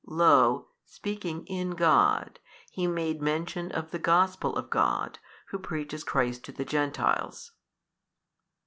Lo speaking in God, he made mention of the Gospel of God, who preaches Christ to the Gentiles.